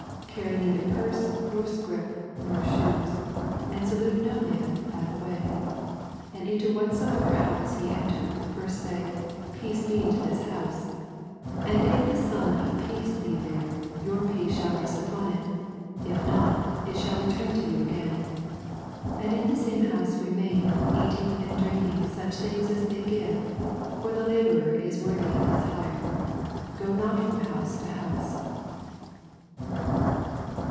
4 Carry neither purse, nor scrip, nor shoes : and salute no man by tne way. 5 And into whatsoever house ye enter, first say, Peace be to this house. 6 And if the Son of peace be there, your peace shall rest upon it: if not, it shall turn to yon again. 7 And in the same house remain^ eating and drinking suoh things as they give: for the uiborer is worthy of nis hire. Go not from house to house.